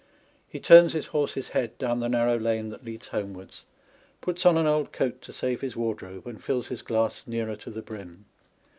He turns his horse's head down the narrow lane that leads homewards, puts on an old coat to save his wardrobe, and fills his glass nearer to the brim.